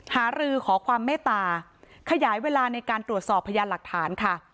หารือขอความเมตตาขยายเวลาในการตรวจสอบพยานหลักฐานค่ะ